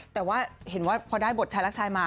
แต่ว่าเห็นว่าพอได้บทชายรักชายมา